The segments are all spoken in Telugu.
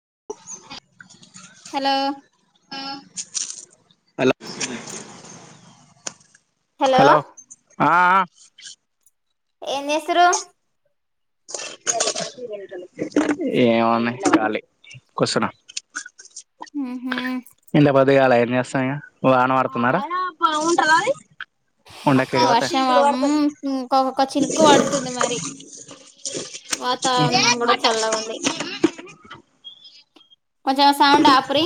ఆ హలో అలా హలో ఆ అ ఏం చేస్తిర్రు ఏమన్నాయి చాలి కొసను ఉహ్మ్ ఇంత పొద్దుగాల ఏం చేస్తాం ఇగ వాన ఆడుతున్నారా వర్షం ఇంకొక చినుకు పడుతుంది మరి వాతావరణం కూడా చల్లగ ఉంది కొంచెం సౌండ్ ఆపురి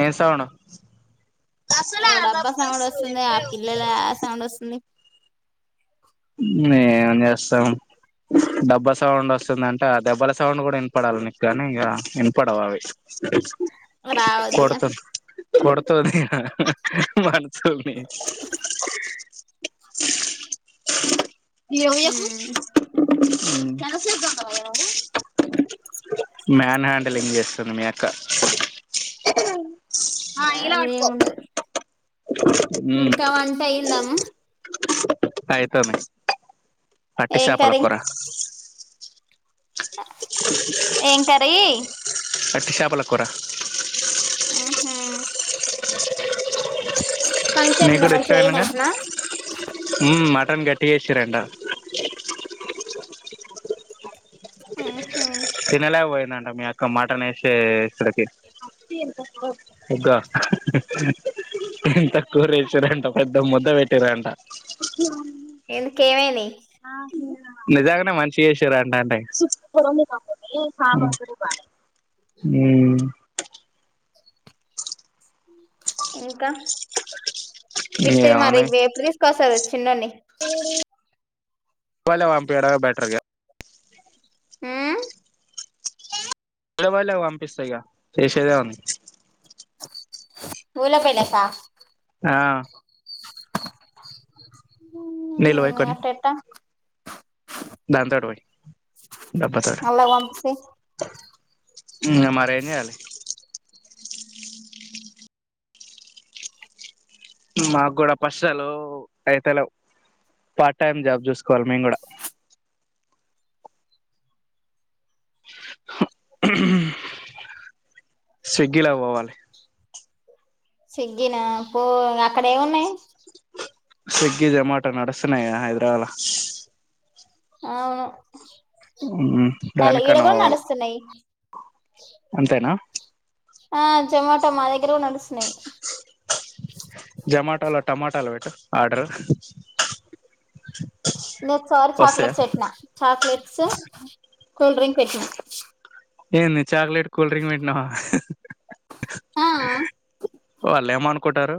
ఏ సౌండ్ కసలు అ ఏవో డబ్బా సౌండ్ వస్తుంది ఆ పిల్లల సౌండ్ వస్తుంది ఏం చేస్తాం డబ్బా సౌండ్ వస్తుందంటే ఆ దెబ్బల సౌండ్ కూడా వినపడాలి నీకు కానీ ఇగ వినపడవవి స రావద్దుగా కొడుతది ఇగ మనసుల్ని ఇవ్యాస కస ఎ కా క మ్యాన్ హ్యాండిలింగ్ చేస్తుంది మీ అక్క అదేం ఉండదు మ్ ఇంకా వంట అయిందమ్మ అయితోంది వట్టి ఏం చపల కుర ఏంకారి వట్టిచాపలా కురా మ్ హు ముకు ఫంక్షన్ లో కుడా మంచిగా ఇష్టమేగా అయిందంటనా మ్ మ టన్ గట్టిగేసిరంట మ్ తినలేక పోయిందంట మీ యక్క మటన్ ఏసే ఎ క్కడ ముగా ఇంత కూర వేసిరంట పెద్ద ముద్ద పెట్టిరంట ఎందుకేమైంది నిజంగానే మంచిగేసిరంట అంటే మ్ ఇంకా బిట్టు మరి ఏమున్నాయి ఇప్పుడు తీసుకొస్తారు చిన్నోన్ని బల్లెకు పంపియడమే బెటర్ క మ్ టే బళ్ళేకు పంపిస్తా ఇగా చేసేదేముంది ఊళ్లే పెలే క ఆ నీళ్ళు మ్ అట్టేట్ట దనింతోోడు పోయి డబ్బా తట అల్లకు పంపిస్తే ఇంగ మరేం చేయాలి మాక్కుడా పైసలు అయితలెవ్ పార్ట్ టైమ్ జాబ్ చూసుకోవాలి మేము కూడా స్విగ్గి లక్ పోవాలి స్వీగ్గిన పో అక్కడ ఏమున్నాయి స్వీగ్గి జొమటో నడుస్తున్నాయి గ హైదరాబద్ల్ అవును మ్మ్ అలా ఇడ దానికన్నా కూడా పోవాలి నడుస్తున్నాయి అంతేనా ఆ జొమాటో మా దగ్గరకుడా నడుస్తున్నాయి జొమాటలో టమాటలు పెట్టు ఆర్డర్ నిన్ సరి వస్తాయా చాక్లెట్స్ పెట్నా చాక్లెట్స్ కూల్ డ్రింక్ పెట్టిన ఏంది చాక్లెట్ కూల్ డ్రింక్ పెట్టినావా ఆ వాళ్ళు ఏమనుకుంటారు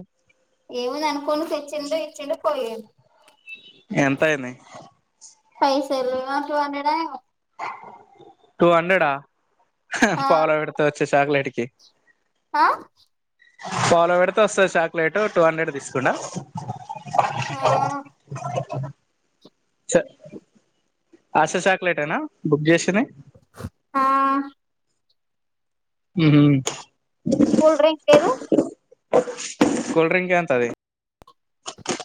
ఎం ఉంది అనుకోను తెచ్చిండు ఇచ్చిడు పోయిండు ఎంత అయింది పైసలు ఏమో టూ హండ్రెడ్ ఓ ఏమో టూ హండ్రెడ్ హ ఆ పావుల పెడితే వచ్చే చాక్లెట్ కి ఆ పావుల పెడితే వస్తుంది చాక్లెట్ టూ హండ్రెడ్ తీసుకుదా ఆ చ ఆసా చాక్లెట్ఏనా బుక్ చేసినాయి ఆ హమ్మ్ కూల్ డ్రింక్ లేదు కోల్డ్రింక్ ఎంత అది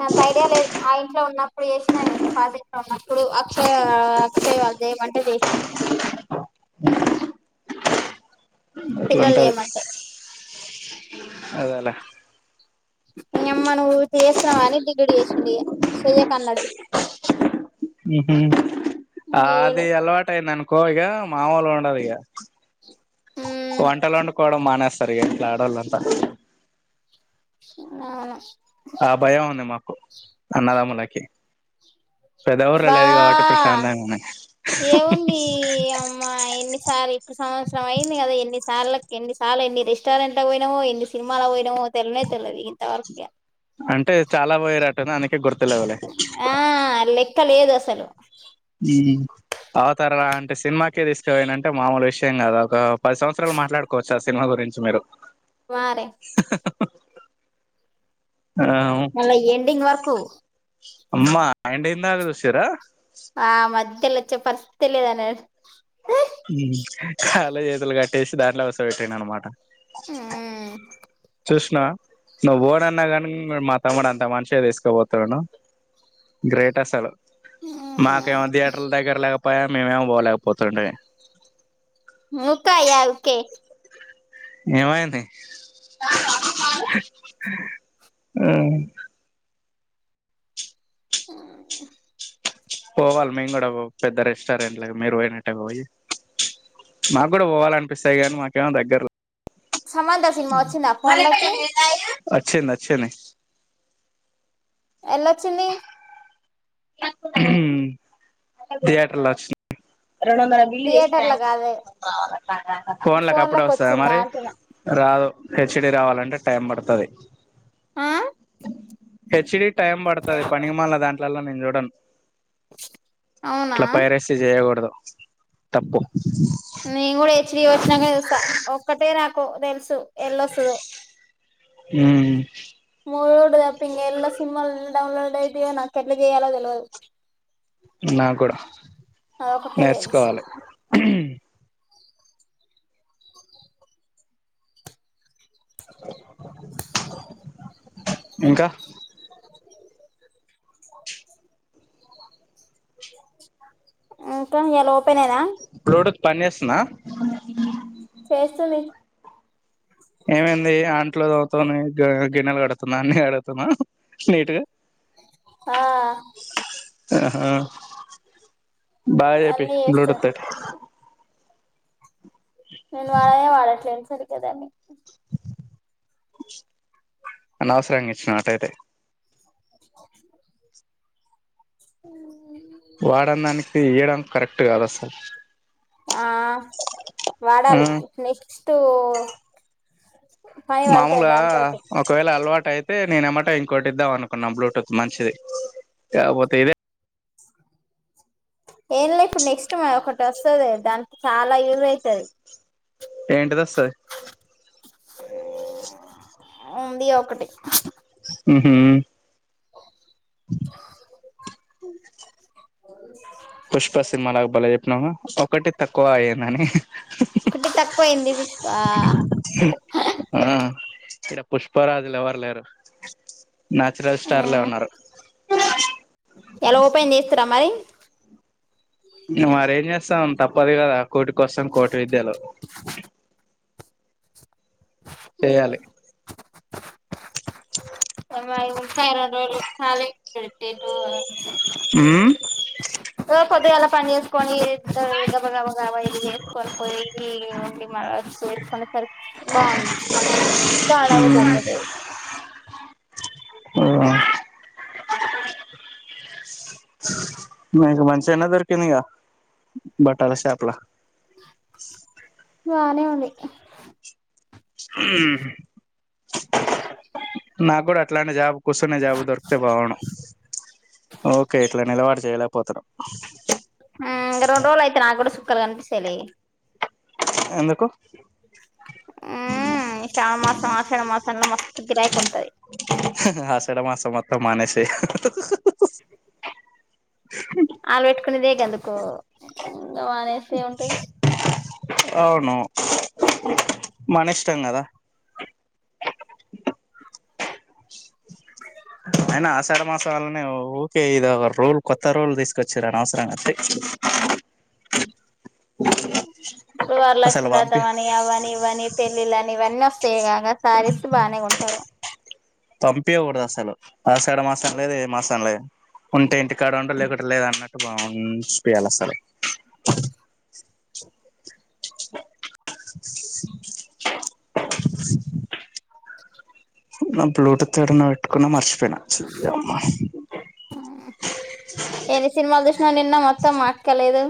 నాక్ ఐడియా లేదు ఆ ఇంట్లో ఉన్నప్పుడు చేసినా నేను పాత ఇంట్లో ఉన్నప్పుడు అక్షయ అక్షయ వాళ్ళు చేయమంటే చేసిన అట్లా పిల్లలు ఉంటారు చేయమంటే అదేలా నీ అమ్మ నువ్వు చేస్తున్నవని డిలీట్ చేసింది చెయ్యకు అన్నాడు ఉమ్మ్ ఆ అది చేయలే అలవాటు అయింది అనుకో ఇక మామూలు ఉండదు ఇక ఉమ్ వంటలు వండుకోవడం మానేస్తారు ఇంట్లా ఆడవాళ్ళుంతా అవును ఆ భయం ఉంది మాకు అన్నదాములకి పెద్ద ఊర్ల బా లేదు కాబట్టే ప్రశాంతంగా ఉన్న ఏముంది అమ్మా ఎన్నిసార్లు ఇప్పుడు సంవత్సరం అయింది కదా ఎన్నిసార్లు ఎన్నిసార్లు ఎన్ని రెస్టారెంట్ లకి పోయినామో ఎన్ని సినిమాలకి పోయినామో తేల్వనే తెలిదు ఇగ ఇంతవరకి ఇగా అంటే చాలా పోయారు ఆ లెక్క లేదు అసలు ఇ ఆతరా అంటే సినిమాకే దిస్ తీసుకోబోయిండు అంటే మామూలు విషయం కదా ఒక పది సంవత్సరాలు మాట్లాడుకోవచ్చు ఆ సినిమా గురించి మీరు మరే [inaudible] మల్ల ఎండింగ్ వర్కు అమ్మా ఎండింగ్ దాకా చూసిరా ఆ మధ్యలో వచ్చ పర్తులేదనాడు కాలు చేతులు కట్టేసి దాంట్లో కుసో పెట్టిండు అనమాట ఉమ్ చూసినవా నువ్వు బోన్ అన్నా కాని మా తమ్ముడు అంత మంచిగా తీసుకోపోతున్నాడు గ్రేట్ అసలు మాకేమో ఉమ్ థియేటర్ల దగ్గర లేకపోయా మేమేమో పోలేకపోతుండే ఉకో అయ్యా ఊకె ఎం అయింది ఆ మ్మ్ పోవాలి మేము కూడా పెద్ద రెస్టారెంట్ లకి మీరు పోయినట్టటే పోయి మాకు కూడా పోవాలనిపిస్తాయి కానీ మాకేమో దగ్గర సమంత సినిమా వచ్చిందా ఫోన్లకి ఒచ్చిది వొచింది ఎలా ఒచ్చిది థియేటర్ల అచ్చిం రెండు వందల బిల్ చేసిన థియేటర్ల కాదు ఫోన్ల కప్పుడ్ ఫోన్లకు వస్తదా వచ్చిందా మరి అంటున్నా రాదు హెచ్డి రావాలంటే టైం పడ్తది. ఆ హెచ్డీ టైం పడ్తది పనికి మాల్న దాంట్లోలల్ల నేను చూడను. అవునా ఇట్ల పైరేస్ చేయకూడదు తప్పు నేన్ గుడా హెచ్డి వొచ్చనంకనే చూస్తా ఒక్కటేనాకు తెల్సు ఎల్లొస్తదో మ్ మూవీ రిల్జ్ తప్ప ఇంకా ఎల్ల సిన్మాల్ డౌన్లోడ్ అయితయో నాకెట్లా చేయలో తెల్వదు. నాక్ కూడా అదొకటే తెలుసు నేర్చుకోవాలి. ఇంకా ఆ క ఇయాల ఓపెనేనా పన్ చేస్తున్నా చేస్తుంది. ఏమైంది అంట్లు తోముతుంది గిన్నెలు కడుతున్నా అన్ని కడుగుతున్నా నీట్గా ఆ ఆహా బాగా చేపి అన్నీ బ్లూటూత్ చేస్తుంది నేను వాడనే వాడట్లేన్ సరిగ్గా దాన్ని అనవసరంగా ఇచ్చిన అట్టయితే ఉ [inaudible] వాడని దానికి ఇయ్యడం కరెక్ట్ కాదా సార్ ఆ ఆ వాడాలి నెక్స్టు మామూల్గా ఒకవేళ అలవాటై తే నేన్ ఎమ్మట ఇంకోట్ ఇద్దాం అనుకున్నా బ్లూటూత్ మంచిది కాకపోతే ఇదే ఏం లే ఇప్పుడు నెక్స్ట్ మ ఒకటోస్తది దానికి చాలా యూస్ అయితది. ఏంటిది వస్తది ఉంది ఒకటి మ్ హ్ [inaudible] పుష్ప సినిమాలాగ భలే చెప్పినావ్గా ఒకటి తక్కువ ఆయేనని ఒకటి తక్కువయింది పుష్ప ఆ ఈడ పుష్ప రాజుల్ ఎవర్ లేరు నాచురల్ స్టార్లే ఉన్నారు. [inaudible] ఎలా ఉపాయం చేస్తిరా మరి ఇగ మరి ఏం చేస్తాం తప్పది గదా కూటి కోసం కోటి విద్యలు చేయాలి. [unintelligible] ఉమ్ ఓ పొద్దుగాల పన్ చేస్ కొని గబ గబగాబ ఇది చేస్కొని పోయి ఉండి మ చేస్కునే సరిక్ బాగుం ఇంకా ఆడ ఉమ్ వదుల్తలే ఆ నీకు మంచిగనే దొరికిందిగా బట్టల షాప్ల [inaudible] బానే ఉంది. ఉమ్ నాకూడా అట్లాంటి జాబ్ కూస్సునే జాబు దొరికితే బాగుండు ఓకే ఇట్లా నిలవడి చేయలేకపోతున్నాం హు రెండు రోజులు అయితే నా కూడా సుక్కలు కనిపిస్తయ్ ఎందుకు ఉ శ్రావణమాసం ఆషాఢ మాసంలో మస్తు గిరాకి ఉంటది ఉ ఆషాడమాసం మొత్తం మానేసేయ్ [inaudible] [inaudible] ఆలు పెట్టుకునేదే గందుకు ఇంగవానేస్త ఏముంటది అవును మన ఇష్టం కదా అయినా ఆషాఢ మాసం వల్నే ఊకే ఇద ఒక రూల్ కొత్త రోల్ తీసుకొచ్చారు అనవసరంగా అతే [inaudible] అ సో అసలు పంపి వరలక్ష్మీవ్రతం అని అవని ఇవని పెళ్ళిళ్ళ అని ఇవన్నీ వస్తాయి కాగా సారిస్త బాగానే ఉంట సర పంపియకూడదు అసలు ఆషాడ మాసం లేదు ఏ మాసం లేదు ఉంటే ఇంటికాడ ఉంట లేకుంటే లేదు అన్నట్టు బాంచిపియాలి అసలు [inaudible] [inaudible] [inaudible] [inaudible] నా బ్లూటూత్ ఎడన్న పెట్టుకున్న మర్చిపోయినా చెయ్యమ్మా ఏన్ని సినిమాలు చూసినా నిన్న మొత్తం మాక్కలేదు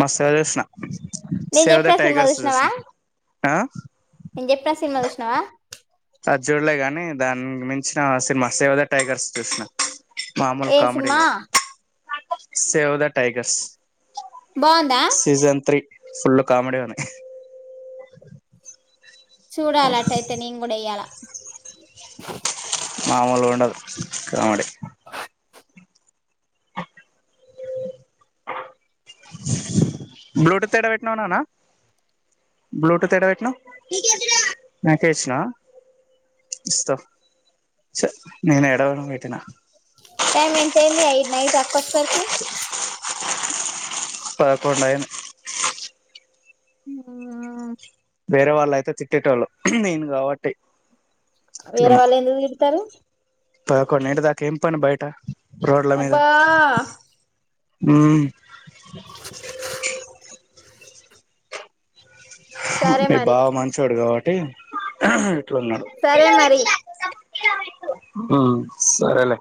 మస్త్ గ జూష్ణ నేను సేవ్ ద చెప్పిన సినిమా టైగర్స్ జూష్ణ ఆ నే చెప్పే సినిమా చూష్ణవ దాని మించిన సినిమా సేవద టైగర్స్ చూసిన మామూలు ఏ కామెడీ సినిమా లేదు సేవ్ ద టైగర్స్ బాగుందా సీజన్ త్రీ ఫుల్ కామెడీనే చూడాల అట్టయితే నేను కూడా ఇయ్యాల మామూలుగ ఉండదు కామడి అ బ్లూటూత్ ఏడ పెట్నావ్ నానా బ్లూటూత్ ఎడవెట్నావ్ ఇస్తం నేను ఎడవేడం వీటిిన టైమ్ ఎంత అయింది అయి నైట్ అక్క వస్సేసరకి పదుకొండు అయింది ఆహా వేరే వాళ్ళ అయితే తిట్టేటోళ్ళు నెన్ కాబట్టి ఇట్ల వేరే ఉన్న వాళ్ళు ఎందుకు తిడతారు పదకొండు నంటి దాకా ఏం పని బయట అబ్బా ఉ సరే మీ మరి బావ మంచోడు కాబట్టి సరే మరి ఆ సరేలే